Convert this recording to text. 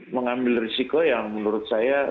mengambil risiko yang menurut saya